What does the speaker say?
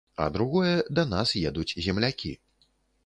А другое, да нас едуць землякі.